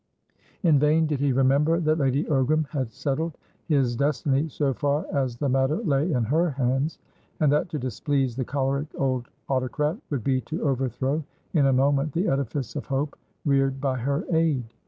In vain did he remember that Lady Ogram had settled his destiny so far as the matter lay in her hands, and that to displease the choleric old autocrat would be to overthrow in a moment the edifice of hope reared by her aid.